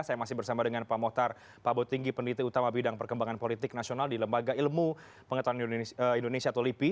saya masih bersama dengan pak mohtar pak botinggi penditi utama bidang perkembangan politik nasional di lembaga ilmu pengetahuan indonesia atau lipi